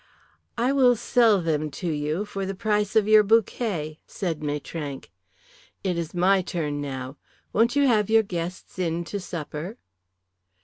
"I will sell them to you for the price of your bouquet," said Maitrank. "It is my turn now. Won't you have your guests in to supper?"